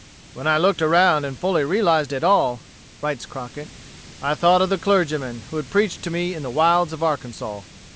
"When I looked around and fully realized it all," writes Crockett, "I thought of the clergyman who had preached to me in the wilds of Arkansas."